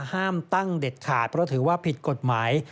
ห้ามตั้งเด็ดขาดเพราะถือว่าผิดกฎหมาย